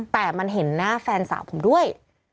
แต่มันเห็นหน้าแฟนสาวผมด้วย